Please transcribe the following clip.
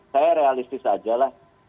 saya realistis aja lah